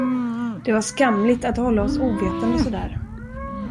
Det var skamligt att hålla oss ovetande så där.